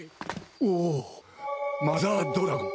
おぉマザードラゴン！